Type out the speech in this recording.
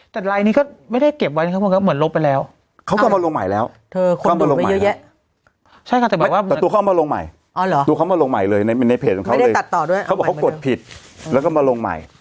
แต่ไลฟ์นี้ก็ไม่ได้เก็บไว้เหมือนลบไปแล้วเขาก็มาลงใหม่แล้วเขามาลงใหม่เลยในเพจของเขาเลยเขากดผิดแล้วก็มาลงใหม่